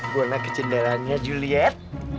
buana kecenderanya juliet